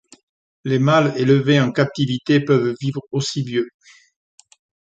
Les mâles élevés en captivité peuvent vivre aussi vieux.